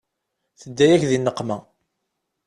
Tedda-yak di nneqma.